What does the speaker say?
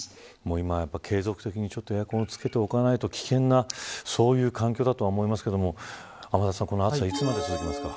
今は継続的にエアコンをつけておかないと危険なそういう環境だと思いますが天達さん、この暑さいつまで続くんですか。